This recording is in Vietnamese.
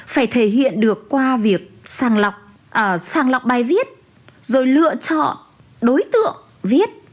phải thể hiện được qua việc sàng lọc bài viết rồi lựa chọn đối tượng viết